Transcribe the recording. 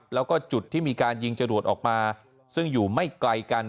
แล้วก็จุดที่มีการยิงจรวดออกมาซึ่งอยู่ไม่ไกลกัน